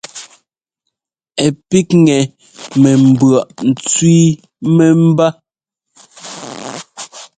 Ɛ píkŋɛ mɛ mbʉɔʼ ntsẅí mɛmbá.